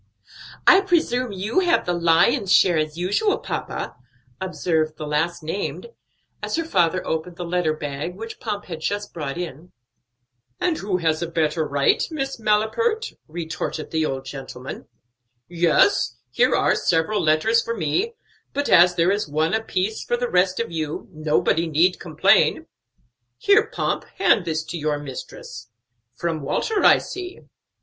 "I presume you have the lion's share as usual, papa," observed the last named, as her father opened the letter bag which Pomp had just brought in. "And who has a better right, Miss Malapert?" retorted the old gentleman. "Yes, here are several letters for me; but as there is one apiece for the rest of you, nobody need complain. Here, Pomp, hand this to your mistress. From Walter, I see."